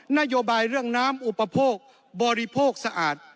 นโยบายเรื่องน้ำอุปโภคบริโภคสะอาด